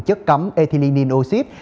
chất cắm ethylenine oxide